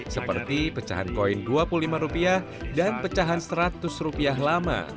seperti pecahan koin rp dua puluh lima dan pecahan seratus rupiah lama